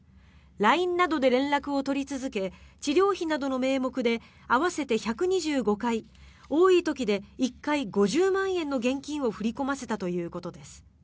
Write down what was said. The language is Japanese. ＬＩＮＥなどで連絡を取り続け治療費などの名目で合わせて１２５回多い時で１回５０万円の現金を振り込ませたということです。